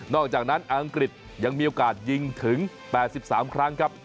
อกจากนั้นอังกฤษยังมีโอกาสยิงถึง๘๓ครั้งครับ